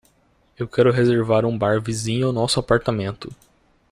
Eu quero reservar um bar vizinho ao nosso apartamento.